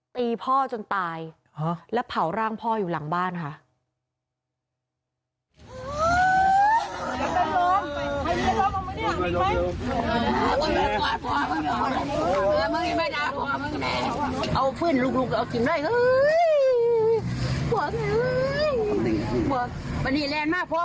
ตีพ่อจนตายแล้วเผาร่างพ่ออยู่หลังบ้านค่ะ